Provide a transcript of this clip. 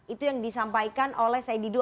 itu yang disampaikan oleh said didu